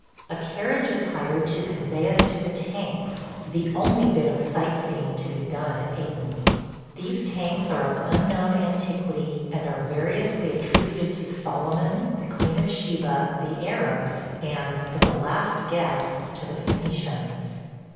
A carriage is hired to convey us to the Tanks – the only bit of sight seeing to be done at Aden. These Tanks are of unknown antiquity and are variously attributed to Solomon, the Queen of Sheba, the Arabs, and – as a last guess – to the Phœnicians.